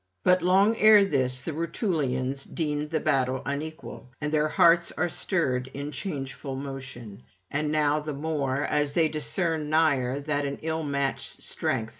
But long ere this the Rutulians deemed the battle unequal, and their hearts are stirred in changeful motion; and now the more, as they discern nigher that in ill matched strength